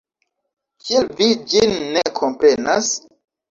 Kiel vi ĝin ne komprenas?